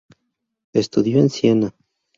Estudió en Siena.